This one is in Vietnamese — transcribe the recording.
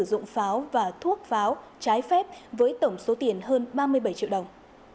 sử dụng pháo và thuốc pháo trái phép với tổng số tiền hơn ba mươi bảy triệu đồng